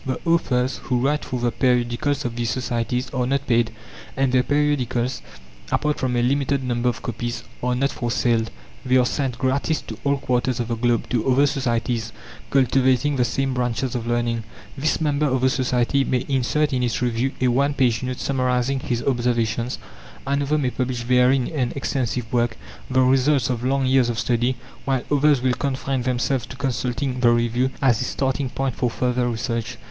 The authors who write for the periodicals of these societies are not paid, and the periodicals, apart from a limited number of copies, are not for sale; they are sent gratis to all quarters of the globe, to other societies, cultivating the same branches of learning. This member of the Society may insert in its review a one page note summarizing his observations; another may publish therein an extensive work, the results of long years of study; while others will confine themselves to consulting the review as a starting point for further research.